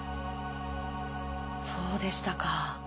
そうでしたか。